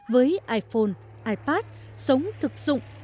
với iphone ipad sống thực dụng